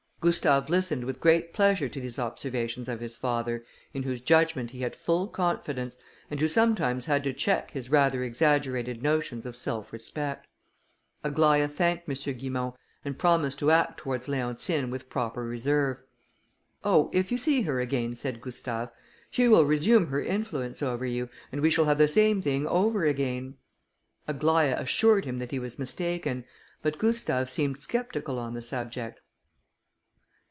Gustave listened with great pleasure to these observations of his father, in whose judgment he had full confidence, and who sometimes had to check his rather exaggerated notions of self respect. Aglaïa thanked M. Guimont, and promised to act towards Leontine with proper reserve. "Oh, if you see her again," said Gustave, "she will resume her influence over you, and we shall have the same thing over again." Aglaïa assured him that he was mistaken; but Gustave seemed sceptical on the subject.